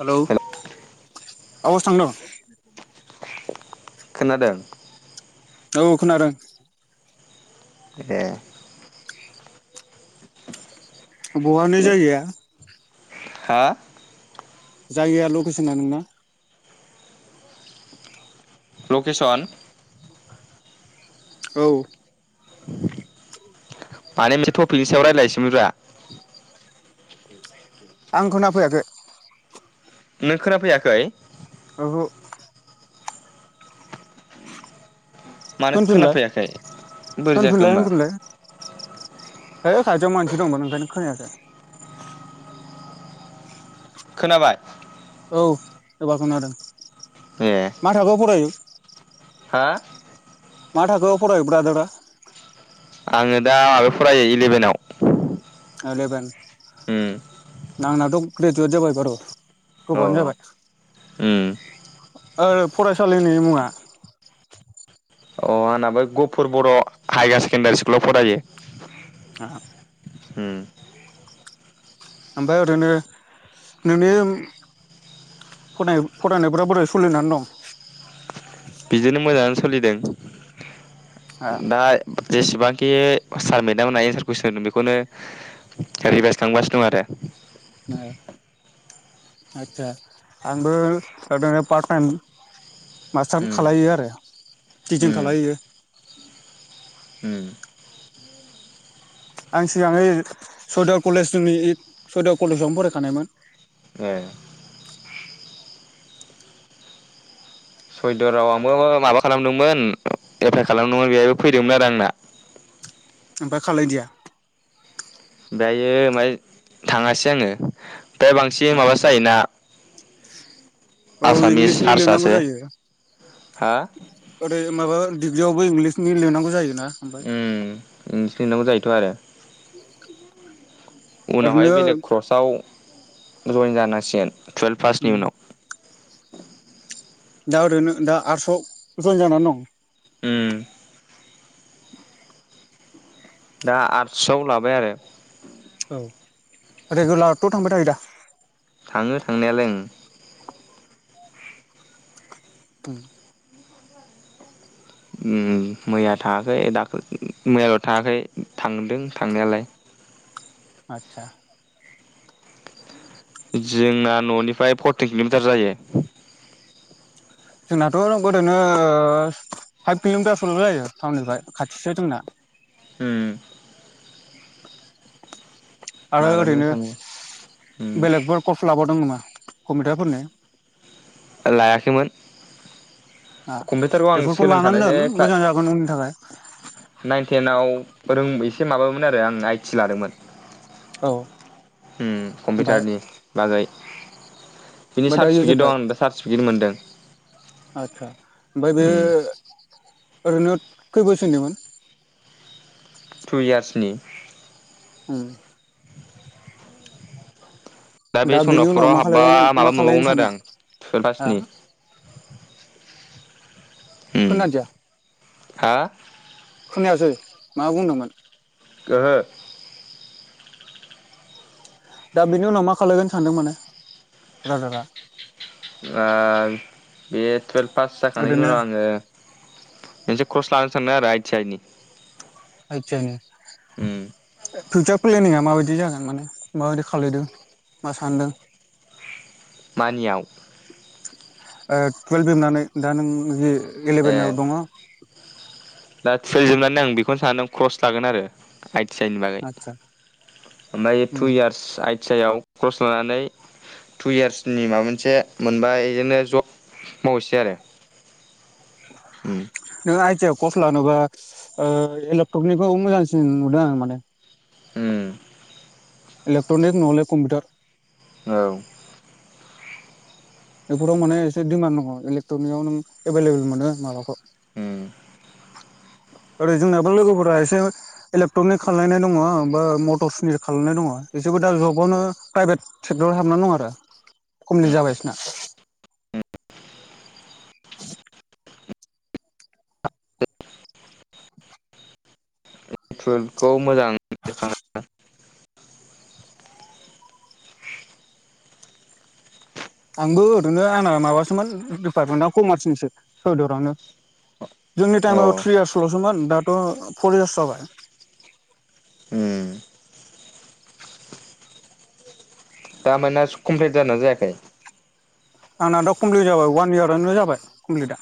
Hello hello आवास थांदों खोनादों। औ खोनादों। ए। बहानि जायगाया? हा जायगाया लकेसना नोंना? लकेसन औ। माने बे टपिकनि सायाव रायज्लायसोनब्रा आं खोना फैयाखै। नों खोनाफैयाखै? औहो मानो होनफिनलाय खोनाफैयाखै बोरै जाखो होनफिनलाय होमबा? होनफिनलाय है खाथियाव मानसि दंमोन ओंखायनो खोनायाखै। खोनाबाय? औ एबार खोनादों। ए मा थाखोआव फरायो? हा मा थाखोआव फरायो ब्रादारआ? आङो दा माबायाव फरायो इलेभेनाव इलेभेन उम नांनाथ' ग्रेजुवेट जाबाय बारु अ गोबावयानो जाबाय। उम ओ फरायसालिनि मुङा? अ आंना बे गफुर बर' हायार सेकेणडारि स्कुलाव फरायो। आ उम ओमफाय ओरैनो नोंनि फराय फरायनायफोरा बोरै सोलिनानै दं? बिदिनो मोजाङानो सोलिदों। दा जेसेबां के सार मेदाम मोना एन्सार कुइसन होदों बेखौनो रिभाइस खालामगासिनो दं आरो। आतसा आंबो [unintelligible] पार्स टाइम मास्टार उम खालायो आरो टिचिं उम खालाय होयो। उम आं सिगाङै सरिदर उननि कलेज सरिदर कलेजावनो फरायखानायमोन। ए सयदर राव आंबो माबा खालामदोंमोन एप्लाइ खालामदोंमोन बेहायबो फैदोंमोन आरो आंना। ओमफाय खालाय दिया? दायो माय थाङासै आङो। ओमफाय बांसिन माबासो जायोना औ आसामिस इंलिसनि लिरनांगौ हारसासो जायो हा? दिडिग्रियावबो इंगलिसनि लेरनांगौ जायोना। ओमफ्राय ओम इंग्लिस लिरनांगौ जायोथ' आरो [inaudible] ओरैनो उनावहाय बेलेग क्रसआव जयेन जानांसिगोन। टुवेल्भ पासनि उनाव। दा ओरैनो दा आरस'आव जयेन जानानै दं? उम। दा आर्ट्सआव लाबाय आरो। औ रेगुलारथ' थांबाय थायो दा थाङो थांनायालाय ओं उम ओम मैया थाङाखै दाख मैयाल' थाङाखै थांदों थांनायालाय आतसा जोंना न'निफ्राय फरटिन किल'मिटार जायो जोंनाथ' ओरैनो ओ फाइभ किल'मिटारफोरल' जायो टाउननिफ्राय खाथिसो जोंना होम आरो माबानिफ्राय ओरैनो थाङो बेलेगबो कर्स लाबावदों नामा कम्पिउटारफोर ने लायाखैमोन कम्पिउटारखौ आं बेफोरखौ लानानै सोलोंखानो जे दोन मोजां जागोन उननि थाखाय क्लास नाइन टेनाव रों एसे माबामोन आरो आं आइटि लादोंमोन औ ओमफाय कम्पिउटारनि बागै बिनि ओमफाय सार्टिफिकेट दं आं दा सार्टिफिकेट मोनदों आतसा ओमफाय बेयो ओरैनो खै बोसोरनि मोन टु इयार्सनि उम दा बे बेनि उनाव सनापुराव मा हाबबा खालायबाव मा माबा खालायनो नुबावगोमोन आरो सानदों आं टुवेल्भ हा पासनि खोनादिया हा खोनायासै मा बुंदोंमोन ओहो दा बेनि उनाव मा खालायगोन सानदों माने ब्रादारा आरो बे टुवेल्भ पास जाखांनायनि ओरैनो उनाव आङो मोनसे क्रस लानो सानदों आरो आइ टि आइ नि आइ टि आइ नि [unintelligible] माबायदि जागोन माने माबायदि खालायदों माबादि सानदों मानियाव ओ टुयेल्भ जोबनानै दा नों जे ए इलेभेनाव दङ दा टुवेल्भ जोबनानै आं बेखौनो सानदों क्रस लागोन आरो आयनि बागै आदसा ओमफ्राय उम टु इयार्स आइ आइटि आइ आव‌ कर्स लानानै टु इयार्सनि माबा मोनसे मोनबा बेजोंनो जब मावनोसै आरो उम नों आइ टि आइ आव कर्स लानोबा ओ इलेक्ट्रनिकखौ मोजांसिन नुदों आं माने उम इलेक्ट्रनिक नहले कम्पिउटार औ बेफोराव माने एसे दिमान दङ इलेक्ट्रनिकआव नों एभेलेबल मोनो माबाखौ उम ओरै जोंनियाबो लोगोफोरा एसे इलेक्ट्रनिक खालायनाय दङ बा मटर सुनिर खालनाय दङ एसेबो दा जबावनो प्राइभेट सेक्टराव हाबना दङ आरो कमप्लिट जाबाय इसोरना टुल्खौ मोजां [unintelligible] आंबो ओरैनो आंना माबासोमोन डिपार्टमेन्टआव कमार्सनिसो सयदुवारावनो जोंनि टाइमाव अ थ्रि यार्सल'सोमोन दाथ' फर इयार्स जाबाय उम दामाने कमप्लिट जादोना जायाखै आंना दा कमप्लिट जाबाय वान इयारानो जाबाय कमप्लिटआ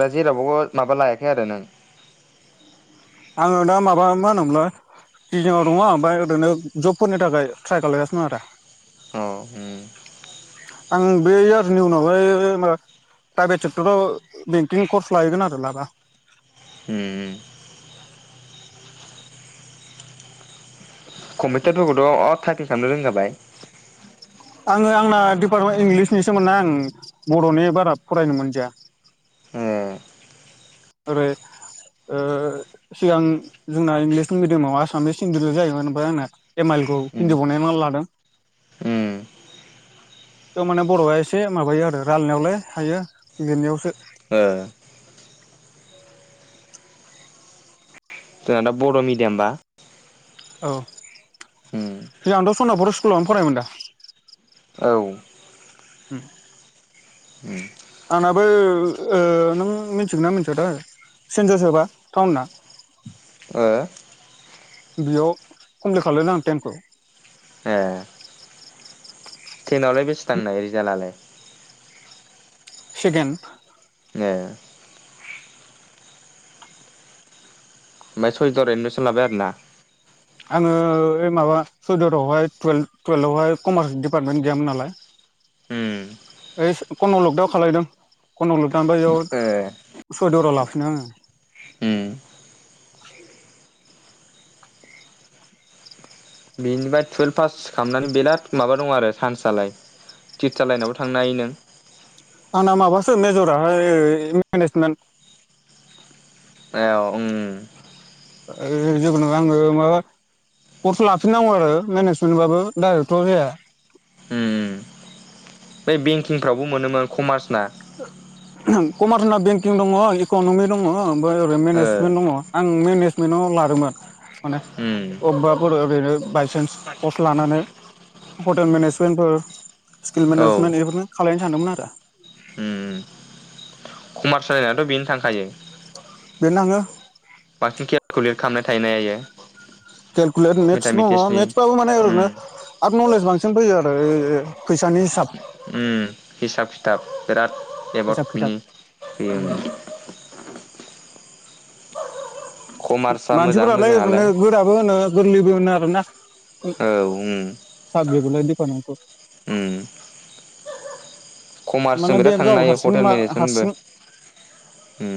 दा जेरावबो माबा लायाखै आरो नों आङो दा माबा मा होनोमोनलाय जिंङाव दङ ओमफ्राय ओरैनो जबफोरनि थाखाय ट्राय खालायगासिनो दं आरो अ उम आं बे इयारनि उनावहाय प्राइभेट सेक्टराव बेंकिं कर्स लाहैगोन आरो लाबा उम कम्पिउटारफोरखौथ' अ थाइपिं खालामनो रोंखाबाय आङो आंना डिपार्टमेन्ट इंलिसनि सोमोन ना आं बर'नि बारा फरायनो मोनदाया ए ओरै ओ सिगां जोंना इंलिस मिडियामाव आसामिस हिन्दील' जायोमोन ओमफ्राय आंना एम आइल खौ उम हिन्दी बनायनानै लादों उम थ' माने बर'आ एसे माबायो आरो रायलायनायावलाय हायो लिरनायावसो ओ जोंना दा बर' मिडियाम बा औ सिगांंथ' सोनापुर स्कुलावनो फरायोमोन दा औ उम आंनाबो ओ नों मिथिगोन ना मिथिया थाय [unintelligible] टाउनना ओ बेयाव कमप्लिट खालायदों आं टेनखौ ए टेनावलाय बेसे थांनाय रिजाल्टआलाय सेखेन ए ओमफ्राय सयदुवार एडमिसन लाबाय आरोना आङो ओइ माबा सयदुवहाय टुवेल्थ टुवेल्थआवहाय कमार्स डिपार्टमेन्ट गैयामोन नालाय ओइ कन' लकडाउन खालायदों कन' लकडाउनफ्राय बेयाव सयदुराव लाफिनो आङो ओ बेनिफ्राय टुवेल्भ पास खालामनानै बिराद माबा दं आरो सान्सालाय टिचार लाइनावबो थांनो हायो नों आंना माबासो मेजराहाय मेनेजमेन्ट ए ओं ओ जेबों नङा आङो माबा कर्स लाफिननांगौ आरो मेनेजमेन्ट बाबो डाइरेक्टथ' जाया उम बै बेंकिंफ्रावबो मोनोमोन कमार्स ना कमार्सना बेंकिं दङ इकनमि दङ ओमफ्राय ओरै ओ मेनेजमेन्ट दङ आं मेनेजमेन्टाव लादोंमोन माने उम अबेबाफोर ओरैनो बायसान्स कर्स लानानै हटेल मेनेजमेन्टफोर स्किल औ मेनेजमेन्ट बेफोरनो खालायनो सानदोंमोन आरो उम कमार्स लायिनाथ' बेनो थांखायो बेनो थांङो बांसिन केलकुलेट खालामनाय थायो इयो केेलकुलेट मेथ्स दङ मेथामेटिक्सनि मेथ्स बाबो माने उम ओरैनो आरो नलेज बां सिम फैयो आरो ओ फैसानि हिसाब उ हिसाब खिथाब बिराद हिसाब एबारड खिथाब मिनि होयो मोजां मानसिफोरालाय मोजाङालाय ओरैनो गोराबो होनो गोरलैबो होनो आरोना औ ओं [unintelligible] कमार्सजों माने बे बिराद गाव थांनो हायो हारसिं हटेल मा मेनेजमेन्टबो हारसिं उ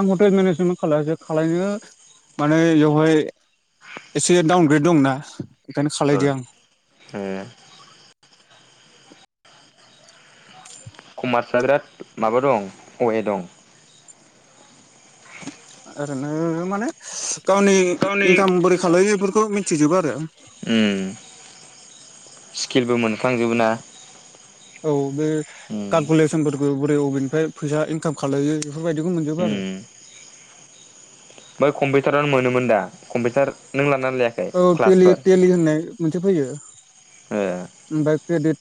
आं हटेल मेनेजमेन्ट खायालासै खालायनो माने बेवहाय एसे डाउनग्रेड दंना बेखायनो खालायदिया आं उम कमार्सआ बिराद माबा दं अ ए दं ओरैनो माने गावनि गावनि इनकाम बोरै खालायो बेफोरखौ मिथिजोबो आरो उम स्किलबो मोनफ्लांजोबो ना औ बे उम कालकुलेसनफोरखौ बोरै अबेनिफ्राय फैसा इनकाम खालायो बेफोरबायदिखौ मोनजोबो आरो ओमफ्राय कम्पिउटारनो मोनोमोन दा कम्पिउटार नों लानानै लायाखै औे टेलि- क्लासफोर टेलि होननाय मोनसे फैयो हाया ओमफ्राय क्रेडिट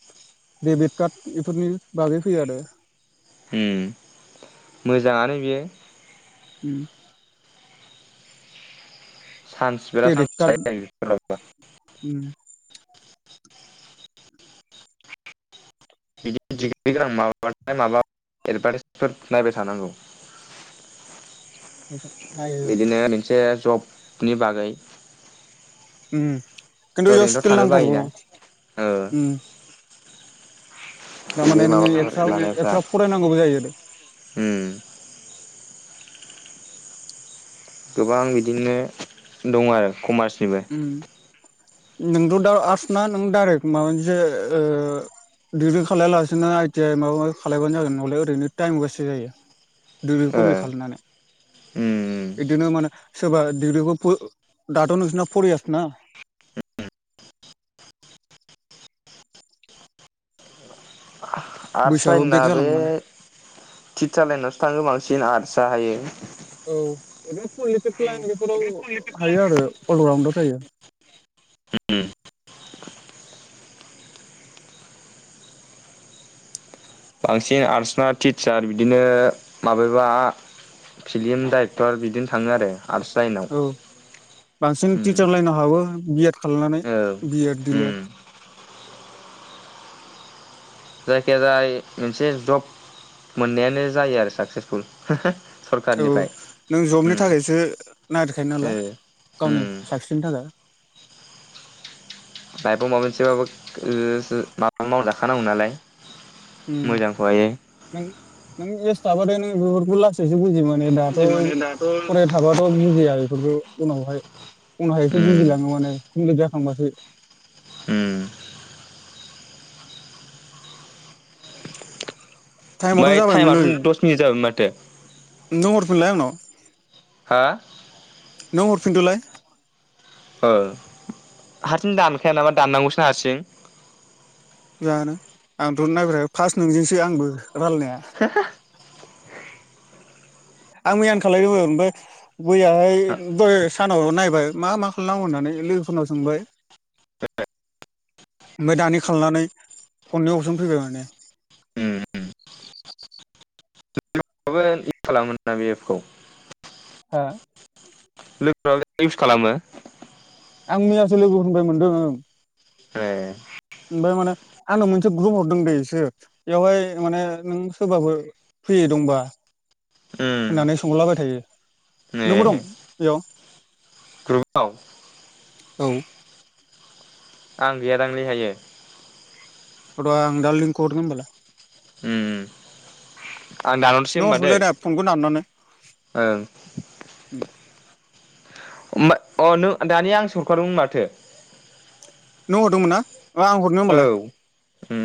डेबिट कार्ड बेफोरनि बागै फैयो आरो उम मोजाङानो बियो उम चान्स बिराद क्रेडिट सान्स कार्ड थायो आरो [unintelligible] उम बिदि डिग्रि गोनां माबाबाथाय माबा एडभार्टाइसफोर नायबाय थानांगौ नायो बिदिनो मोनसे जब नि बागै उम खिन्थु जा ओरैनोथ' स्किल थानो नांथारगौ बायोना ओ थारमाने बिदि नोङो माबाफोर एक्स्रा लानायफ्रा एक्सट्रा फरायनांगौबो जायो आरो उम गोबां बिदिनो दङ आरो कमार्स उम नोंथ' दा आर्टस ना नों डाइरेक्ट माबा मोनसे ओ डिग्रि खालाया लासिनो आइटि आइ माबा माबि खालायबानो जागोन नालाय ओरैनो टाइम वेससो जायो दिग्रिखौ ओ कमप्लिट खालामनानै उम बिदिनो माने सोरबा डिग्रिखौ दाथ' नोंसोरना फरइयारसना आर्टस बैसोआबो लाइना बेक बे जालाङो माने टिचार लाइनावसो थाङो बांसिन आर्टस जाहायो औ ओरैनो पलिट लाइन बेफोराव हायो आरो अलराउडआव जायो बांसिन आर्टस ना टिचार बिदिनो माबेबा फिल्म डाइरेक्टर बिदिनो थाङो आरो आर्टस लाइनाव औ बांसिन उम टिचार लाइनाव हाबो बि एद खालामनानै औ बि एड दि उम लेड [inaudible] जायखिजाया मोनसे जब मोननायानो जायो आरो साक्सेसफुल [unintelligible] औ नों जबनि उम थाखायसो नागिरखायो ओ नालाय उम गावनि स नि‌ थाखाय लाइफायाव माबा मोनसेबाबो ओ माबा मावजाखानांगौ नालाय। [unintelligible] मोजांखौहायो माबानायानो ओप्लास बुजिमोनो दाथ' जि माने दाथ' फराय उम थाबाथ' बुजिया बेफोरखौ। उनावहाय उनावहायसो बुजिलाङो उम माने [unintelligible] थांबासो। हम। टाइमाथ' ओमफ्राय टाइमआथ' जाबायमोनलै दस मिनिट जाबायमोन माथो। नों हरफिनलाय आंनाव। हा नों हरफिनदोलाय। हारसिं दानखाया नामा दाननांगौसोना हारसिं? जानो आंथ' नायब्र फार्स्ट नोंजोंसो आंबो। रायलायनाया। आं मैयानो खालायदोंमोन ओमफ्राय मैयाहाय दहाय सानाव नायबाय मा मा खालामनांगौ होननानै लोगोफोरनाव सोंबाय ओमफ्राय दानि खालामनानै फननि अपसन फैबाय माने। उम खालामोना बे एप खौ। हो लोगोफोराबो इउस खालामो? आं मैयासो लोगोफोरनिफ्राय मोनदों ओं। ए ओमफ्राय माने आंनो मोनसे ग्रुप हरदों दै इसोर बेयावहाय माने नों सोरबाफोर फैनाय दंबा उम होननानै सोंलाबाय थायो नंगौ ए दं बेयाव? ग्रुपाव औ। आं गैयादांलै बेहायो। र आं दा लिंखौ हरगोन। ओं उम उम आं दानहरसै नों होनबा दै हरफिनलाय दा फनखौ दाननानै ओं। होमबा अ नों दानिया आंसो हरखारदों माथो। नों हरदोंमोन ना? आ' आं हरनो औ होमबालाय उम